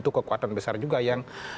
itu kekuatan besar juga yang